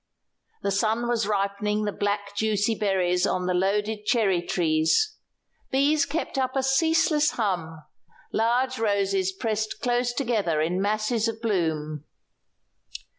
The sun was ripening the black, juicy berries on the loaded cherry trees; bees kept up a ceaseless hum; large roses pressed close together in masses of bloom.